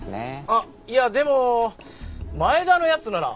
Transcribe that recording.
あっいやでも前田の奴なら。